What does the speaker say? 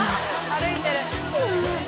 歩いてる。